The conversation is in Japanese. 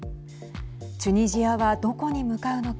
チュニジアはどこに向かうのか。